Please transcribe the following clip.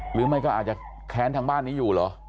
หรือไม่ก็อาจจะแค้นทางบ้านนี้อยู่เหรอ